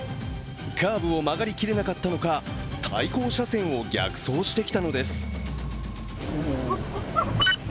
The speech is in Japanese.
カーブを曲がりきれなかったのか対向車線を逆走してきたのです。